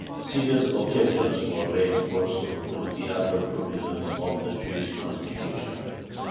Serious objections were raised also to the other provisions of the "Jewish Constitution."